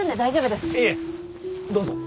いえどうぞ